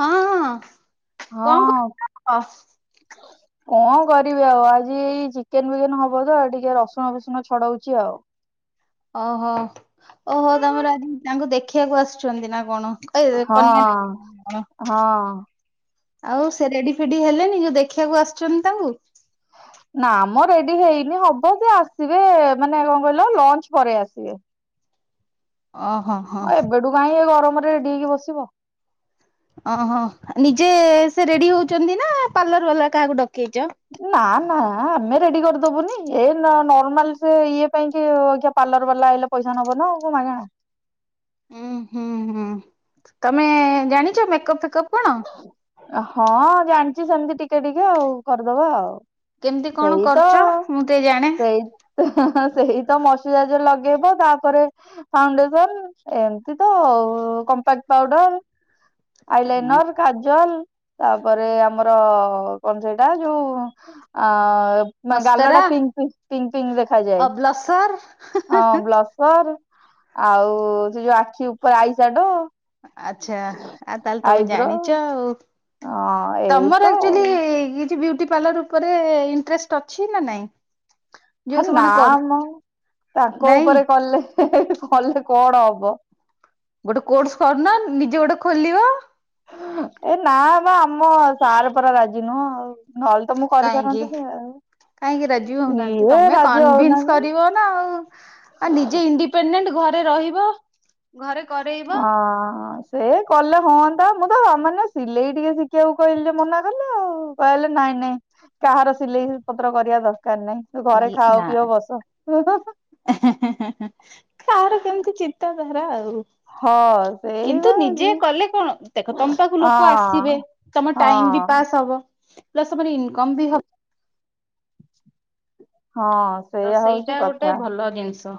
ହଁ- ହଁ। ହଁ। କଣ କରିବି ଆଉ, ଆଜି ଏଇ ଚିକେନ ଫିକେନ ହବ ତ ଟିକେ ରସୁଣ ଫସୁଣ ଛଡଉଛି ଆଉ। ଓ ହୋ ଓ ହୋ, ତମର ଆଜି ତାଙ୍କୁ ଦେଖିବାକୁ ଆସୁଛନ୍ତି ନା କଣ? [unintelligible] କନ୍ୟା ହଁ। [unintelligible] ହଁ ଆଉ ସେ ରେଡି ଫେଡି ହେଲେଣି, ଯୋଉ ଦେଖିବାକୁ ଆସୁଛନ୍ତି ତାଙ୍କୁ? ନା ମ ରେଡି ହେଇନି, ହବ ସେ ଆସିବେ ମାନେ କଣ କଇଲ ଲଞ୍ଚ ପରେ ଆସିବେ। ଓ ହୋ। ହଁ ଏବେଠୁ କାହିଁ ଏ ଗରମରେ ରେଡି ହେଇକି ବସିବ। ଓ ହୋ ନିଜେ ସେ ରେଡି ହଉଛନ୍ତି ନା, ପାର୍ଲର ବାଲା କାହାକୁ ଡକେଇଚ? ନା ନା ଆମେ ରେଡି କରିଦବୁନି, ଏ ନର୍ମାଲ ସେ ଇଏ ପାଇଁ କି ଅଇକା ପାର୍ଲର ବାଲା ଆଇଲେ ପଇସା ନବ ନା, ଆଉ କଣ ମାଗେଣା। ଉୁଁ -ହୁଁ -ହୁଁ ତମେ ଜାଣିଛ ମେକପ ଫେକପ କଣ? ହଁ ଜାଣିଛି ସେମିତି ଟିକେ ଟିକେ ଆଉ, କରିଦବା ଆଉ। କେମିତି କଣ ସେଇ ତ କରୁଛ ମୁଁ ଟିକେ ଜାଣେ ସେଇ ସେଇ ତ ମଶ୍ଚୁରାଇଜର ଲଗେଇବ ତାପରେ ଫାଉଣ୍ଡେସନ ଏମିତି ତ, compact powder, I line kajal, ତାପରେ ଆମର କଣ ସେଇଟା ଯୋଉ ଆ ନା ଗାଲ ମସ୍କରା ଟା ପିଙ୍କ ପିଙ୍କ ପିଙ୍କ ଦେଖାଯାଏ। ଆଉ ବ୍ଲସର ହଁ ବ୍ଲସ୍ ସ୍ ର ଆଉ ସେ ଯୋଉ ଆଖି ଉପରେ, ଆଇ ସାଡୋ। ଆଚ୍ଛା। ଆଉ ତାହେଲେ ତମେ ଜାଣିଛ ଆଉ, ହଁ ଏଇ ତମର ତ ଆକ୍ଚୁଆଲି କିଛି ବିଉଟି ପାର୍ଲର ଉପରେ ଇଣ୍ଟରେଷ୍ଟ ଅଛି ନା ନାଇଁ? ଯୋଉ ହେ ନା ସେମାନେ କରୁ ମ ତାଙ୍କ ନାଇଁ ଉପରେ କଲେ, କଲେ କଣ ହବ? ଗୋଟେ କୋର୍ସ କରୁନ, ନିଜେ ଗୋଟେ ଖୋଲିବ। ଏ ନା ବା ଆମ ସାର୍ ପରା ରାଜି ନୁହଁ ଆଉ। ନହେଲେ ତ ମୁଁ କାହିଁକି? କରିସାରନ୍ତେଣି କାହିଁକି ରାଜି ଆଉ। ହଉନାହାନ୍ତି ଇଏ ତମେ ରାଜି କନଭିନ୍ସ ହଉନାହାନ୍ତି କରିବ ନା ଆଉ, ଆଉ ନିଜେ ଇଣ୍ଡିପେଡେଣ୍ଟ ଘରେ ରହିବ ଘରେ କରେଇବ ଆ ସେ କଲେ ହଅନ୍ତା। ମୁଁ ତ ମାନେ ସିଲେଇ ଟିକେ ଶିଖିଆକୁ କହିଲି ଯେ, ମନା କଲେ ଆଉ କହିଲେ ନାଇଁ ନାଇଁ। କାହାର ସିଲେଇ ପତ୍ର କରିବା ଦରକାର ନାହିଁ। ତୁ ଘରେ ଖାଅ ନା ପିଅ ବସ। କାହାର କେମିତି ଚି ଚିନ୍ତାଧାରା ଆଉ। ହଁ ସେଇ କିନ୍ତୁ ବା ନିଜେ ହଁ କଲେ କଣ, ଦେଖ ତମ ପାଖକୁ ଲୋକ ଆସିବେ। ତୋମ ଟାଇମ୍ ବି ହଁ। ପାସ୍ ହବ। ପ୍ଲସ୍ ତୋମର ଇନକମ୍ ବି ହ ହଁ। ତ ସେଇଆ ହଉଛି ସେଇଟା ଗୋଟେ କଥା ଭଲ ଜିନିଷ।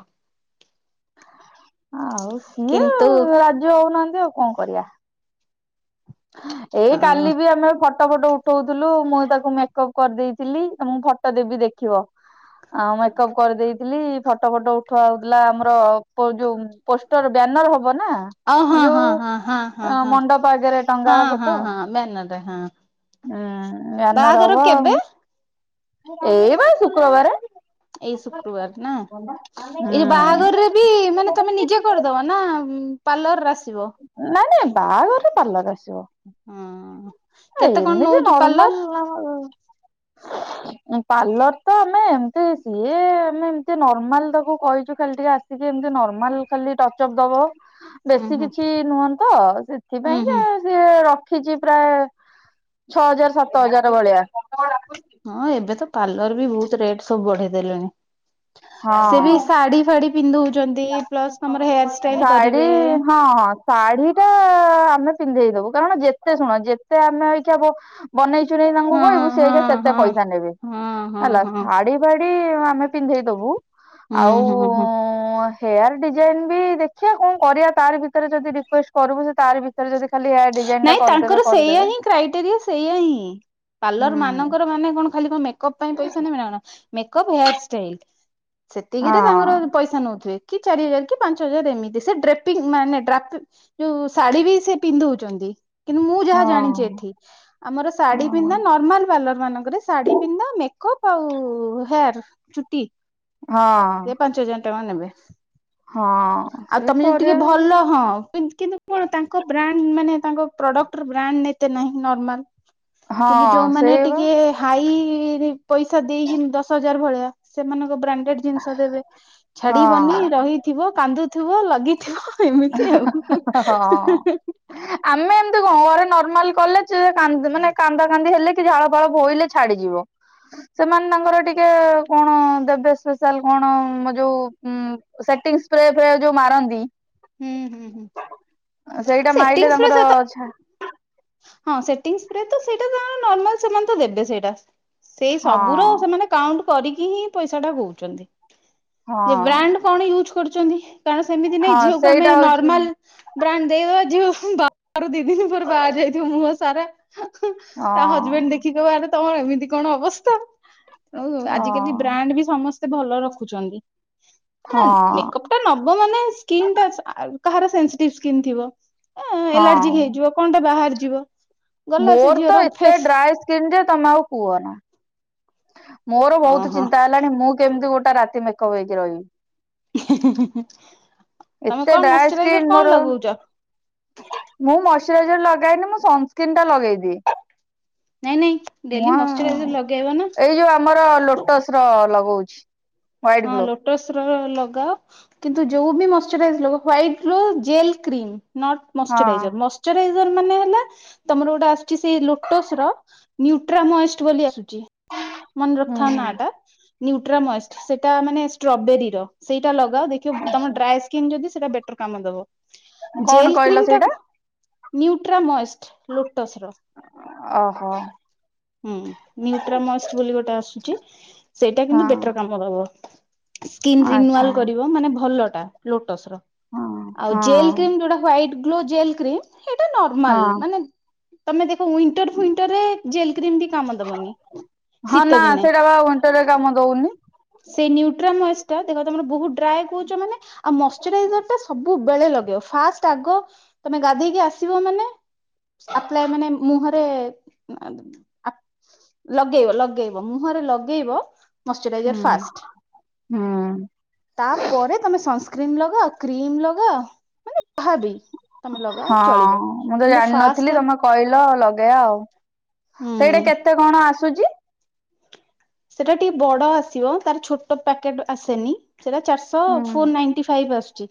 ଆଉ ସିଏ କିନ୍ତୁ ରାଜି ହଉନାହାନ୍ତି ଆଉ କଣ କରିବା। ଏଇ ହଁ କାଲି ବି ଆମେ ଫ ଟୋ ଫଟୋ ଉଠଉଥୁଲୁ। ମୁଁ ତାକୁ ମେକଅପ୍ କରିଦେଇଥିଲି। ଏ ମୁଁ ଫଟୋ ଦେବି ଦେଖିବ। ଆଉ ମେକଅପ୍ କରିଦେଇଥିଲି ଫଟୋ ଫଟୋ ଉଠା ହଉଥିଲା ଆମର ପ- ଯୋଉ ପୋଷ୍ଟର୍ ବ୍ୟାନର୍ ହବ ନା ଆଉ ଅ, ହଁ ଯୋଉ ହଁ ହଁ ହଁ ଅଁ, ହଁ ହଁ ମଣ୍ଡପ ଆଗରେ। ଟଙ୍ଗା ହଁ, ହଁ, ହଁ ଵ୍ୟାନରେ ହଁ। ଆଁ, ବ୍ୟାନର ବାହାଘର ହବ, କେବେ ଆଉ ଏଇ ବା ଶୁକ୍ରବାର। ଏଇ ଶୁକ୍ରବାର ନା। ହୁଁ। ଏଇ ଯେ ନାଇଁ ବାହାଘରରେ ବି ମାନେ ତୋମେ ନିଜେ କରିଦବ ନା ଉଁ, ପାର୍ଲର ଆସିବ? ନାଇଁ ନାଇଁ ବାହାଘରରେ ପାର୍ଲର୍ ଆସିବ। ହଁ। ଏ କେତେ କଣ ଏମିତି ନଉଛି ପାର୍ଲର ନର୍ମାଲ୍ ଆମର ଏଁ, ପାର୍ଲର ତ ଆମେ ଏମତି ସିଏ ଆମେ ଏମତି ନର୍ମାଲ୍ ତାକୁ କହିଚୁ ଖାଲି ଟିକେ ଆସ ଟିକେ ଏମତି ନର୍ମାଲ୍ ଖାଲି ଟଚ ଅପ୍ ଦବ। ହୁଁ ବେଶୀ ହୁଁ କିଛି ନୁହନ୍ତ ହୁଁ ହୁଁ ସେଥିପାଇଁକା ସିଏ ରଖିଚି ପ୍ରାୟ ଛଅ ହଜାର ସାତ ହଜାର ଭଳିଆ। କଣ ଡାକୁଛି? ହଁ ଏବେ ତ ପାର୍ଲର ବି ବହୁତ ରେଟ୍ ସବୁ ବଢେଇ ଦେଲେଣି। ସେ ବି ହଁ। ଶାଢୀ ଫାଡି ପିନ୍ଧଉଚନ୍ତି। ପ୍ଲସ୍ ତୋମର ହେୟାର୍ ଷ୍ଟାଇଲ୍ ଶାଢୀ କରିବେ। ହଁ, ହଁ। ଶାଢୀ ଟା ଆମେ ପିନ୍ଧେଇ ଦବୁ, କାରଣ ଯେତେ ଶୁଣ ଯେତେ ଆମେ ଏଇଖା ବ ବନେଇ ଚୁନେଇ ତାଙ୍କୁ ହଁ ହଁ କହିବୁ ସିଏ ହଁ ଏଇଖା ସେତେ ପଇସା ନେବେ ହଁ ହଁ ହେଲା। ହଁ ଶାଢ଼ୀ ଫାଡି ଆମେ ପିନ୍ଧେଇଦବୁ। ଆଉ ହୁଁ ହୁଁ ଉଁ, ହେୟାର୍ ଡିଜାଇନ୍ ବି ଦେଖିଆ କଣ କରିବା। ତାରି ଭିତରେ ଯଦି ରିକ୍ୱେଷ୍ଟ କରିବୁ। ସେ ତାରି ଭିତରେ ଯଦି ଖାଲି ହେୟାର୍ ଡିଜ ନାଇଁ ତାଙ୍କର ସେଇଆ ହିଁ କ୍ରାଇଟେରିଆ ସେଇଆ ହିଁ। ପାର୍ଲର ହୁଁ ମାନଙ୍କର ମାନେ କଣ ଖାଲି କଣ ମେକଅପ୍ ପାଇଁ ପଇସା ନେବେ ନା କଣ? ମେକଅପ୍ ହେୟାର୍ ଷ୍ଟାଇଲ୍ ହଁ ସେତିକିରେ ତାଙ୍କର ପଇସା ନଉଥିବେ, କି ଚାରି ହଜାର କି ପାଞ୍ଚ ହଜାର ଏମିତି। ସେ ଡ୍ରେପିଂ ମାନେ ଡ୍ରାପି ଯୋଉ ଶାଢୀ ବି ସେ ପିନ୍ଧଉଚନ୍ତି, କିନ୍ତୁ ମୁଁ ଯାହା ହଁ ଜାଣିଚି ଏଠି। ଆମର ଶାଢୀ ହଁ ପିନ୍ଧା, ନର୍ମାଲ ପାର୍ଲର ମାନଙ୍କରେ ଶାଢୀ ପିନ୍ଧା ମେକଅପ୍ ଆଉ ହେୟାର୍। ଚୁଟି ସେ ହଁ। ପାଞ୍ଚ ହଜାର ଟଙ୍କା ନେବେ। ହଁ ଆଉ ସେଇ ତୋମେ ଯଦି ଟିକେ କରିବା ଭଲ ହଁ, କିନ୍ତ କିନ୍ତୁ କଣ ତାଙ୍କ ବ୍ରାଣ୍ଡ ମାନେ ତାଙ୍କ ପ୍ରଡକ୍ଟର୍ ବ୍ରାଣ୍ଡ ଏତେ ନାହିଁ ନର୍ମାଲ। କିନ୍ତୁ ହଁ ଯୋଉମାନେ ସେଇ ବା ଟିକେ ହାଇ ରି ପଇସା ଦେଇକିନ ଦଶ ହଜାର ଭଳିଆ ସେମାନଙ୍କ ବ୍ରାଣ୍ଡେଡ୍ ଜିନିଷ ଦେବେ, ଛାଡିବନି ହଁ ରହିଥିବ, କାନ୍ଦୁଥିବ, ଲଗେଇଥିବ। ହଁ। ଆମେ ଏମିତି କଣ ଘରେ ନର୍ମାଲ କଲେ ଚିଏ କାନ୍ଦ ମାନେ କାନ୍ଦା କାନ୍ଦି ହେଲେ ସିଏ ଝାଳ ଫାଳ ବୋହିଲେ ଛାଡିଯିବ। ସେମାନେ ତାଙ୍କର ଟିକେ କଣ ଦେବେ ସ୍ପେଶାଲ୍ କଣ ଯୋଉ ଉଁ, ସେଟିଂ ସ୍ପ୍ରେ ଫ୍ରେ ଯୋଉ ମାରନ୍ତି। ହୁଁ, ହୁଁ, ହୁଁ, ସେଇଟା ମାରିଲେ ସେଟିଂ ସ୍ପ୍ରେ ତାଙ୍କର ସେ ତ ଛା ହଁ ସେଟିଂ ସ୍ପ୍ରେ ତ ସେଇଟା ତାଙ୍କର ନର୍ମାଲ ସେମାନେ ତ ଦେବେ ସେଇଟା। ସେଇ ସବୁର ହଁ ସେମାନେ କାଉଣ୍ଟ କରିକି ହିଁ ପଇସା ଟା କହୁଚନ୍ତି। ଯେ ହଁ ବ୍ରାଣ୍ଡ କଣ ୟୁଜ୍ କରୁଚନ୍ତି, କାରଣ ସେମିତି ନାଇଁ ହଁ ଝିଅକୁ ସେଇଟା ଆମେ ହଉଛି ନର୍ମାଲ ବ୍ରାଣ୍ଡ ଦେଇ ଯୋଉ ବାହାଘର ଦିଦିନି ପରେ ବାହାରି ଯାଇଥିବା ମୁହଁ ସାରା। ହୁଁ ହଁ ତା ହଜବେଣ୍ଡ ଦେଖିକ କହିବେ ଆରେ ତମର ଏମିତି କଣ ଅବସ୍ଥା। ଆଉ ହଁ ଆଜିକାଲି ବ୍ରାଣ୍ଡ ବି ସମସ୍ତେ ଭଲ ରଖୁଛନ୍ତି କଣ ହଁ ମେକପ ଟା ନବ ମାନେ ସ୍କିନଟା ଆ କାହାର ସେନସିଟିବ ସ୍କିନ୍ ଥିବ ଆଁ ହଁ ଏଲାର୍ଜିିକ ହେଇଯିବ। କଣଟେ ବାହାରି ଯିବ। ମୋର ତ ଏତେ ଡ୍ରାଏ ସ୍କିନ୍ ଯେ ତମେ ଆଉ କୁହ ନା। ମୋର ବହୁତ ଓହୋ ଚିନ୍ତା ହେଲାଣି ମୁଁ କେମିତି ଗୋଟେ ରାତି ମେକଅପ୍ ହେଇକି ରହିବି। ହେଁ ହେଁ ହେଁ ତମେ ଏତେ କଣ ଡ୍ରାଏ ସ୍କିନ୍ ମଶଚରାଇଜର କଣ ମୋର ଲଗଉଛ? ମୁଁ ମଶ୍ଚରାଇଜର ଲଗାଏନି ମୁଁ ସନସ୍କ୍ରୀନ୍ ଟା ଲଗେଇଦିଏ। ନାଇଁ ନାଇଁ ଡେଲି ମଶ୍ଚରାଇଜର ମୁହଁ ଲଗେଇବା ନା। ଏଇ ଯୋଉ ଆମର ଲୋଟସର ଲଗଉଛି। ହ୍ୱାଇଟ ହଁ ଗ୍ଲୋ ଲୋଟସର ଲଗାଅ। କିନ୍ତୁ ଯୋଉ ବି ମୋଷ୍ଟୁରାଇଯାର ଲଗାଅ ୱଇଟ ର ଜେଲ କ୍ରିମ ନଟ୍ ହଁ। ମୋଷ୍ଟୁରାଇଯାର ମୋଷ୍ଟ୍ [unintelligible] ମାନେ ହେଲା ତମର ଗୋଟେ ଆସୁଛି ସେଇ ଲୋଟସର ନ୍ୟୁଟ୍ରାମଏଷ୍ଟ ବୋଲି ଆସୁଛି ମନେ ହୁଁ ରଖଥାଉ ନାଟା ନ୍ୟୁଟ୍ରାମୋଏଷ୍ଟ। ସେଟା ମାନେ ଷ୍ଟ୍ରବେରୀର ସେଇଟା ଲଗାଅ ଦେଖିବ ତମ ଡ୍ରାଏ ସ୍କିନ୍ ଯଦି ସେଇଟା ବେଟର କାମ ଦବ। ହୁଁ କଣ ଜେଲ କହିଲ କ୍ରିମ ଟା ସେଇଟା ନୁଟ୍ରା ମୋଏସଟ୍ ଲୋଟସ ର। ଓହୋ। ହୁଁ ନ୍ୟୁଟ୍ରାମଷ୍ଟ ବୋଲି ଗୋଟେ ଆସୁଛି ସେଇଟା କିନ୍ତୁ ହଁ ବେଟର କାମ ସ୍କିନ୍ ଆଚ୍ଛା। ରିନୁଆଲ କରିବ ମାନେ ଭଲଟା ଲୋଟସର। ହଁ ଆଉ ହଁ ଜେଲ କ୍ରିମ ଯୋଉଟା ହାଇଟ୍ ଗ୍ଲୋ ଜେଲ କ୍ରିମ ସେଇଟା ହଁ ନର୍ମାଲ ମାନେ ତମେ ଦେଖ ଉଇଣ୍ଟର ଫୁଇଣ୍ଟରରେ ଜେଲ କ୍ରିମ ବି କାମ ଦବନି ହଁ ନା ଶୀତ ଦିନେ। [unintelligible] କାମ ଦଉନି। ସେଇ ନ୍ୟୁଟ୍ରାମଏସ୍ ଟା ଦେଖ ତମର ବହୁତ ଡ୍ରାଏ କହୁଛ ମାନେ ଆଉ ମଶ୍ଚରାଇଜର ଟା ସବୁବେଳେ ଲଗେଇବ ଫାଷ୍ଟ ଆଗ ତମେ ଗାଧେଇକି ଆସିବ ମାନେ ଆପ୍ଲାଏ ମାନେ ମୁହଁରେ ଲଗେଇବ ଲଗେଇବ ମୁହଁରେ ଲଗେଇବ। ହୁଁ ମଶ୍ଚରାଇଜର ଫାଷ୍ଟ। ହୁଁ ତାପରେ ତମେ ସନସ୍କ୍ରିନ୍ ଲଗାଅ କ୍ରିମ ଲଗାଅ ମାନେ ଭାବେ ହଁ ମୁଁ ତ ଫାଷ୍ଟ ଜାଣିନଥିଲି ତମେ କହିଲ ଲଗେଇବା ଆଉ। ହୁଁ। ଏଟେ କେତେ କଣ ଆସୁଛି? ସେଟା ଟିକେ ବଡ ଆସିବ ତାର ଛୋଟ ପ୍ୟାକେଟ ଆସେନି ସେଟା ଚାରିଶ ଶ ହୁଁ ଫୋର ନାଇଣ୍ଟି ଫାଇଭ୍ ଆସୁଛି।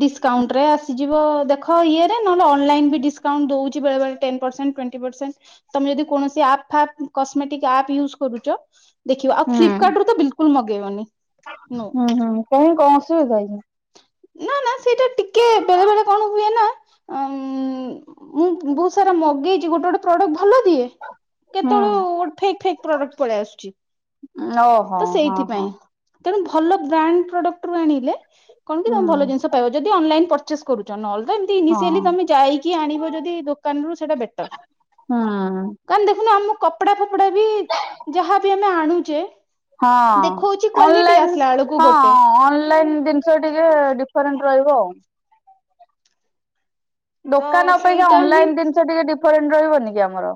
ଡିସକାଉଣ୍ଟରେ ଆସିଯିବ ଦେଖ ଇଏରେ ନହେଲେ ଅନଲାଇନ ବି ଡିସକାଉଣ୍ଟ ଦଉଛି ବେଳେ ବେଳେ। ଟେନ୍ ପର୍ସେଣ୍ଟ ଟୋଣ୍ଟି ପର୍ସେଣ୍ଟ ତମେ ଯଦି କୌଣସି ଆପ୍ ଫାପ କସ୍ ମେଟିକ୍ ଆପ୍ ୟୁଜ୍ କରୁଚ ଦେଖିବା ଆଉ ହୁଁ ଫ୍ଲିପକାର୍ଟରୁ ତ ବିଲକୁଲ ମଗେଇବନି ନୋ। ହୁଁ ହୁଁ କାହିଁ କଣ ଅସୁବିଧା କି? ନା ନା ସେଇଟା ଟିକେ ବେଳେ ବେଳେ କଣ ହୁଏ ନା ଉଁ ମୁଁ ବହୁତ ସାରା ମଗେଇଛି ଗୋଟେ ଗୋଟେ ପ୍ରଡକ୍ଟ ଭଲ ଦିଏ। ହୁଁ କେତେବେଳୁ ଗୋଟେ ଫେକ୍ ଫେକ୍ ପ୍ରଡକ୍ଟ ପଳେଇ ଆସୁଛି ଓହୋ ତ ହଁ ହଁ ସେଇଥିପାଇଁ। ତେଣୁ ଭଲ ବ୍ରାଣ୍ଡ ପ୍ରଡକ୍ଟରୁ ଆଣିଲେ କଣ କି ତମ ହୁଁ। ଭଲ ଜିନିଷ ପାଇ ଯଦି ଅନଲାଇନ ପ ଚେସ କରୁଚ ନହେଲେ ତ ହଁ ଇନିସିଆଲି ତମେ ଯାଇକି ଆଣିବ ଯଦି ଦୋକାନରୁ ସେଇଟା ବେଟର। ହୁଁ। କାଁ ଦେଖୁନ ଆମ କପଡା ଫପଡା ବି ଯାହା ଆଣୁଛେ ହଁ ଦେଖଉଛି କ୍ଵାଲିଟି ଅନଲାଇନ୍ ଆସିଲା ବେଳକୁ ଗୋଟେ ହଁ ଅନଲାଇନ ଦି ସ ଟିକେ ଡିଫରେଣ୍ଟ ରହିବ ଆଉ। ତ ଦୋକାନ ଅପେକ୍ଷା ସେଇଟା ହିଁ ଅନଲାଇନ୍ ଜିନିଷ ଟିକେ ଡିଫରେଣ୍ଟ ରହିବନି କି ଆମର।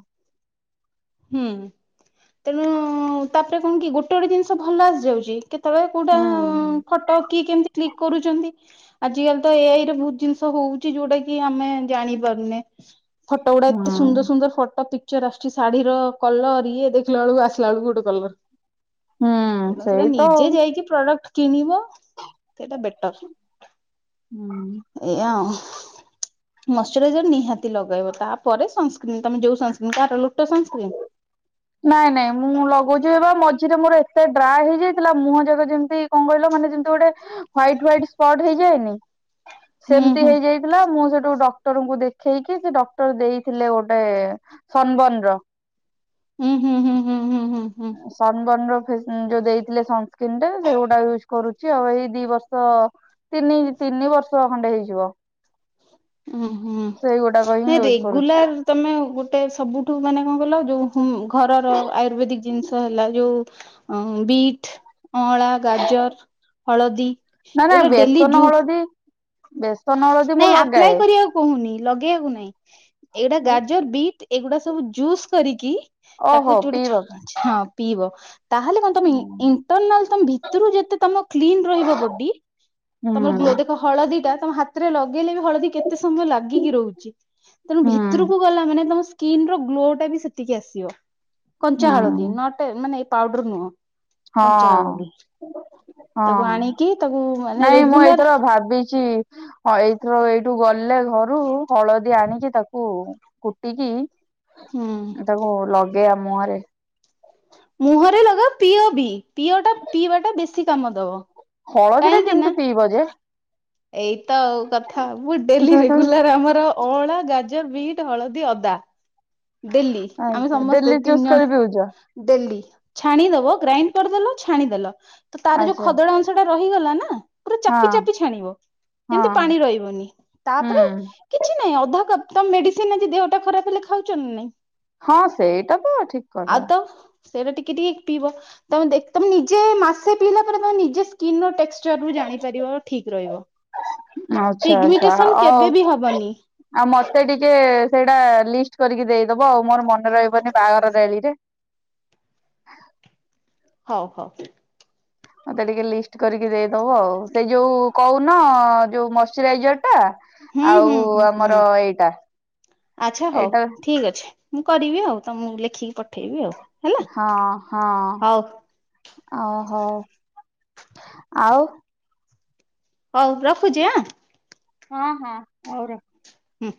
ହୁଁ ତେଣୁ ତାପରେ କଣ କି ଗୋଟେ ଗୋଟେ ଜିନିଷ ଭଲ ଆସିଯାଉଛି। କେତେବେଳେ ଉଁ କୋଉଟା ହୁଁ ଫଟୋ କି କେମତି କ୍ଲିକ କରୁଛନ୍ତି। ଆଜ କାଲି ତ ଏ ଆଇରେ ବହୁତ ଜିନିଷ ହଉଛିି ଯୋଉଟା କି ଆମେ ଜାଣିପାରୁନେ। ଫଟୋ ଉଡ଼ା ସୁନ୍ଦର ହୁଁ ସୁନ୍ଦର ଫଟୋ ପିକଚର ଆସଛି। ଶାଢୀ ର କଲର ଇଏ ଦେଖିଲା ବେଳକୁ ଆସିଲା ବେଳକୁ ଗୋଟେ କଲର। ହୁଁ ତେଣୁ ସେଟା ସେଇ ତ ନିଜେ ଆଉ। ଯାଇକି ପ୍ରଡକ୍ଟ କିଣିବ ସେଇଟା ହୁଁ। ବେଟର ଏୟା। ମଶ୍ଚରାଇଜର ନିହାତି ଲଗେଇବ ତାପରେ ସନ୍ସ୍କ୍ରି ନ ତମେ ଯୋଉ ସନ୍ସ୍କ୍ରିନ କାହାର ଲୋଟ ସନ୍ସ୍କ୍ରିନ୍। ନାଇଁ ନାଇଁ ମୁଁ ଲଗଉଛି ଏ ବା ମଝିରେ ମୋର ଏତେ ଡ୍ରାଏ ହେଇଯାଇଥିଲା ମୁହଁ ଯାକ ଯେମିତି କଣ କହିଲ ମାନେ ଯେମତି ଗୋଟେ ହ୍ାଇଟ୍ ହ୍ାଇଟ୍ ସ୍ପଟ୍ ହେଇଯାଏନି ହୁଁ ସେମିତି ହୁଁ ହେଇଯାଇ ଥିଲା ମୁଁ ସେଠୁ ଡକ୍ଟରଙ୍କୁ ଦେଖେଇକି ସେ ଡକ୍ଟର ଦେଇଥିଲେ ଗୋଟେ ସନବନ ର ହୁଁ ହୁଁ ହୁଁ ହୁଁ ହୁଁ ହୁଁ ହୁଁ। ସନବର୍ଣ୍ଣ ର ଫେ ଯୋଉ ଦେଇଥିଲେ ସନସ୍କ୍ରିନ୍ ଟା ସେ ଗୋଟାକ ୟୁଜ କରୁଛି ଆଉ ଏଇ ଦି ବର୍ଷ ତିନି ତିନି ବର୍ଷ ଖଣ୍ଡେ ହେଇଯିବ। ଉଁ ହୁଁ ସେଇଗୁଟାକ ହିଁ ନାଇ ୟୁଜ କରୁଛି ରେଗୁଲାର ତମେ ଗୋଟେ ସବୁଠୁ ମାନେ କଣ କଇଲ ଯୋଉ ଘରର ଆୟୁର୍ବେଦିକ ଜିନିଷ ହେଲା ଯୋଉ ଅ ବିଟ୍, ଅଁଳା, ଗାଜର, ହଳଦୀ। ନାଁ ନାଁ ଏଗୁଡା ଡେଲି ବେସନ ଜୁ ହଳଦୀ ବେ ନାଇଁ ଆପ୍ଲାଏ କରିବାକୁ କହୁନି ଲଗେଇବାକୁ ନାଇଁ ଏଇଟା ଗାଜର, ବିଟ୍ ଏଗୁଡା ସବୁ ଜୁସ୍ କରିକି ଓହୋ ତାକୁ ଗୋଟେ ଛା ପିଇବା ପାଇଁ ଚ୍ଛା ପିଇବ। ତାହେଲେ କ ତମେ ଇ ଇଣ୍ଟରନାଲ ତମେ ଭିତରୁ ଯେତେ ତମ କ୍ଲିନ ରହିବ ବଡି ହୁଁ ତମର ଗ୍ଲୋ ଦେଖ ହଳଦୀ ଟା ତମ ହା ତରେ ଲଗେଇଲେ ବି ହଳଦୀ କେତେ ସମୟ ଲାଗିକି ରହୁଛି ତେଣୁ ହୁଁ ଭିତୁରୁକୁ ଗଲା ମାନେ ତମ ସ୍କିନ ର ଗ୍ଲୋ ଟା ବି ସେତିକି ଆସିବ ହୁଁ କଞ୍ଚା ହଳଦୀ ନଟ ମାନେ ଏ ପାଉଡର ନୁହଁ। କଞ୍ଚା ହଳଦୀ। ହଁ ତାକୁ ହଁ, ଆଣିକି ତାକୁ ମାନେ ନାଇଁ ମୁଁ ରେଗୁଲାର ଏଇଥର ଭାବିଛି ହଁ ଏଇଥର ଏଇଠୁ ଗଲେ ଘରୁ ହଳଦୀ ଆଣିକି ତାକୁ କୁଟିକି ହୁଁ। ତାକୁ ଲଗେଇବା ମୁହଁରେ। ମୁହଁରେ ଲଗା ପିଓ ବି ପିଅ ଟା ପିଇବା ଟା ବେଶୀ କାମ ଦବ। ହଳଦୀ ଟା କାହିଁକି ନା କେମତୀ ପିଇବ ଯେ? ଏଇତ ଆଉ କଥା ମୁଁ ଡେଲି ରେଗୁଲାର ଆମର ଅଁଳା, ଗାଜର, ବିଟ୍, ହଳଦୀ, ଅଦା। ଡେଲି ଆମେ ଆଚ୍ଛା ସମସ୍ତେ ଡେଲି ଚୁଜ୍ ତିନି କରି ପିଉଛ ଜଣ ଡେଲି ଛାଣିଦବ ଗ୍ରାଇଣ୍ଡ କରିଦେଲ ଛାଣିଦେଲ ତ ତାର ଯୋଉ ଆଚ୍ଛା ଖଦଡ ଅନ୍ ସେଟା ରହିଗଲା ନା। ପୁରା ହଁ ଚାପି ଚାପି ଛାଣିବ ହଁ ଯେମିତି ପାଣି ରଇବନି ହୁଁ ତାପରେ କିଛି ନାଇଁ ଅଧା କପ୍ ତ ମେଡିସିନ ଆଜି ଦେହଟା ଖରାପ ହେଲେ ଖାଉଛନ୍ତି ନା ନାଇଁ। ହଁ ସେଇଟା ତ ଠିକ୍ କଥା। ସେରା ଟିକେ ଟିକେ ପିଇବ। ତମେ ଦେ ତମେ ନିଜେ ମାସେ ପିଇଲା ପରେ ତମେ ନିଜେ ସ୍କିନ ର ଟେକ୍ସଚରୁ ଜାଣିପାରିବ ଠିକ୍ ରହିବ। ଆଚ୍ଛା ଆଚ୍ଛା ପିଗମିଟେସନ ଆଉ କେବେ ବି ହବନି। ଆଉ ମତେ ଟିକେ ସେଇଟା ଲିଷ୍ଟ କରିକି ଦେଇଦବ ଆଉ ମୋର ମନେ ରହିବନି ବାହାଘର ଡେଳିରେ। ହଉ ହଉ। ମତେ ଟିକେ ଲିଷ୍ଟ କରିକି ଦେଇଦବ ଆଉ ସେଇ ଯୋଉ କଉନ ଯୋଉ ମଇଶ୍ଚରାଇଜର ଟା ହୁଁ ଆଉ ହୁଁ ହୁଁ ହୁଁ ଆମର ଏଇଟା ଏଇଟା ଠିକ୍ ଅଛି। ମୁଁ କରିବି ଆଉ ତମକୁ ଲେଖିକି ପଠେଇବି ଆଉ। ହେଲା ହଁ ହଁ ହଉ ଓହୋ ଆଉ ହଉ ରଖୁଛି ଆଁ। ହଁ ହଁ ହଉ ର ହୁଁ।